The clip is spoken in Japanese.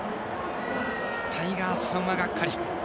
タイガースファンは、がっかり。